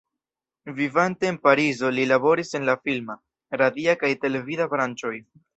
Vivante en Parizo li laboris en la filma, radia kaj televida branĉoj.